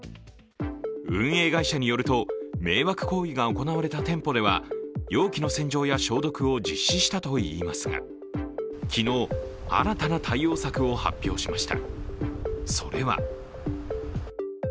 運営会社によると、迷惑行為が行われた店舗では容器の洗浄や消毒を実施したといいますが、昨日、新たな対応策を発表しました